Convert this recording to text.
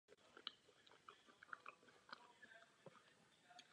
První a druhé patro budovy je využíváno jako kancelářské prostory různých subjektů.